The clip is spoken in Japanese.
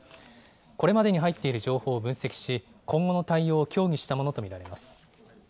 これまでに入っている情報を分析し、今後の対応を協議したものと見られます。